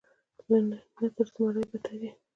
ته تر زمري بدتر یې.